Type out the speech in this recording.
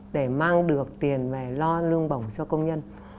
để mang được tiền về lo lương bổng cho công nhân